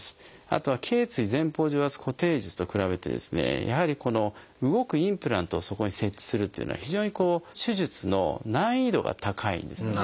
あとは頚椎前方除圧固定術と比べてですねやはり動くインプラントをそこに設置するというのは非常に手術の難易度が高いんですね。